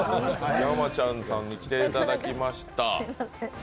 山ちゃんさんに来ていただきました。